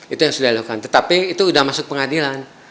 itu yang sudah dilakukan tetapi itu sudah masuk pengadilan